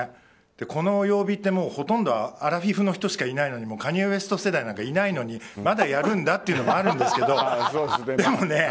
この曜日ってほとんどアラフィフの人しかいないのにカニエ・ウェスト世代なんかいないのにまだやるんだというのもあるんですが。